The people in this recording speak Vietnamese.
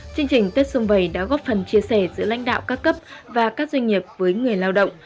chương trình tết xuân vầy đã góp phần chia sẻ giữa lãnh đạo các cấp và các doanh nghiệp với người lao động